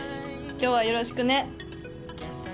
今日はよろしくね。